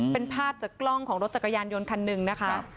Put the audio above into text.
เป็นภาพจากกล้องของรถจักรยานยนต์คันหนึ่งนะคะ